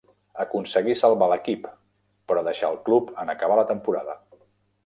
Aconseguí salvar l'equip però deixà el club en acabar la temporada.